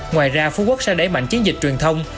ngoài ra phú quốc sẽ đẩy mạnh chiến dịch truyền thông